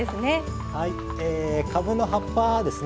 かぶの葉っぱですね